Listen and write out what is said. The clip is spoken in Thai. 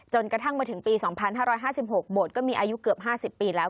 กระทั่งมาถึงปี๒๕๕๖โบสถก็มีอายุเกือบ๕๐ปีแล้ว